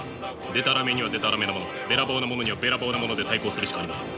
でたらめにはでたらめなものべらぼうなものにはべらぼうなもので対抗するしかありません。